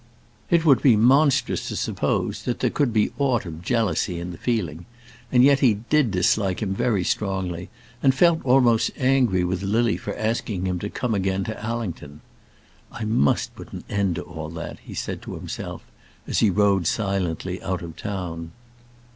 It would be monstrous to suppose that there could be aught of jealousy in the feeling; and yet he did dislike him very strongly, and felt almost angry with Lily for asking him to come again to Allington. "I must put an end to all that," he said to himself as he rode silently out of town.